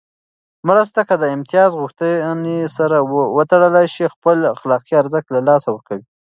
مرسته که د امتياز غوښتنې سره وتړل شي، خپل اخلاقي ارزښت له لاسه ورکوي.